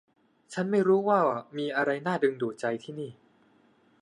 ฉันไม่รู้สึกว่ามีอะไรน่าดึงดูดใจที่นี่